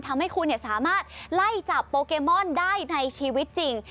ทำให้คุณสามารถไล่จับโปเกมอนได้ในชีวิตจริง